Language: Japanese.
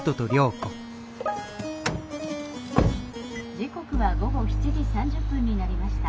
「時刻は午後７時３０分になりました。